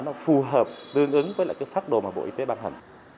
nó phù hợp tương ứng với pháp đồ mà bộ y tế ban hành